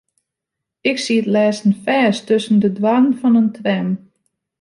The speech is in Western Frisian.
Ik siet lêsten fêst tusken de doarren fan in tram.